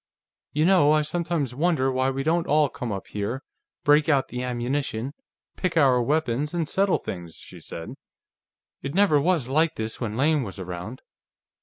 "You know, I sometimes wonder why we don't all come up here, break out the ammunition, pick our weapons, and settle things," she said. "It never was like this when Lane was around.